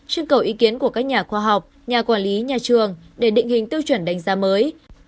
trưng cầu ý kiến của các nhà khoa học nhà quản lý nhà trường để định hình tiêu chuẩn đánh giá mới